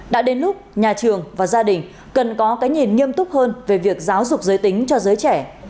đã đến lúc nhà trường và gia đình cần có cái nhìn nghiêm túc hơn về việc giáo dục giới tính cho giới trẻ